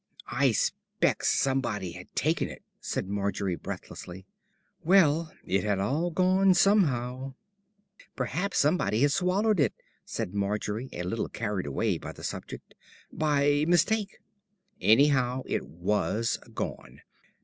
"I spex somebody had taken it," said Margery breathlessly. "Well, it had all gone somehow." "Prehaps somebody had swallowed it," said Margery, a little carried away by the subject, "by mistake." "Anyhow, it was gone.